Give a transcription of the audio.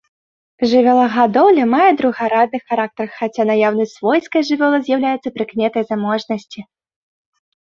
Жывёлагадоўля мае другарадны характар, хаця наяўнасць свойскай жывёлы з'яўляецца прыкметай заможнасці.